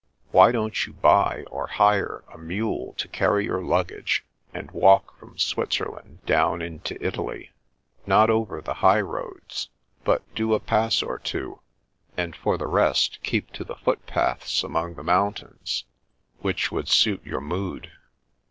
" Why don't you buy or hire a mule to carry your luggage, and walk from Switzerland down into Italy, not over the high roads, but do a pass or two, and for the rest, keep to the footpaths among the mountains, which would suit your mood?"